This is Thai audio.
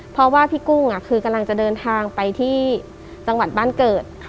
เพราะว่าพี่กุ้งคือกำลังจะเดินทางไปที่จังหวัดบ้านเกิด